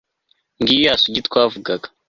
ngiyo ya sugi twavugaga